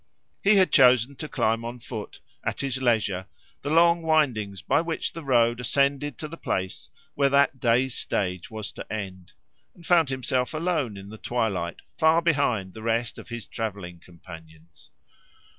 He had chosen to climb on foot, at his leisure, the long windings by which the road ascended to the place where that day's stage was to end, and found himself alone in the twilight, far behind the rest of his travelling companions.